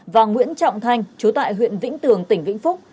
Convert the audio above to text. và nguyễn trọng thanh chú tại huyện vĩnh tường tỉnh vĩnh phúc